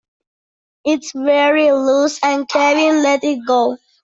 It's very loose, and Kevin let it go...